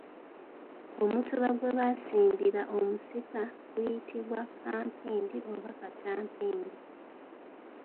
Omutuba gwe basimbira omusika guyitibwa kampindi oba kattampindi.